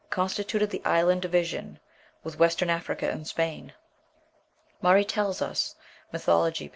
constituted the island division with Western Africa and Spain. Murray tells us ("Mythology," p.